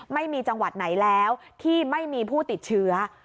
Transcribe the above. ไม่มีจังหวัดไหนแล้วที่ไม่มีผู้ติดเชื้อ